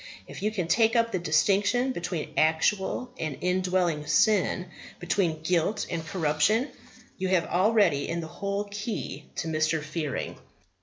If you can take up the distinction between actual and indwelling sin, between guilt and corruption, you have already in that the whole key to Mr. Fearing.